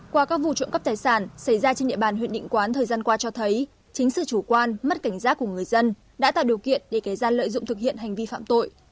qua các vụ trộm cắp tài sản xảy ra trên địa bàn huyện định quán thời gian qua cho thấy chính sự chủ quan mất cảnh giác của người dân đã tạo điều kiện để kẻ gian lợi dụng thực hiện hành vi phạm tội